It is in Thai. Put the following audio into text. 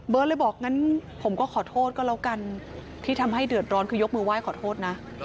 เลยบอกงั้นผมก็ขอโทษก็แล้วกันที่ทำให้เดือดร้อนคือยกมือไหว้ขอโทษนะ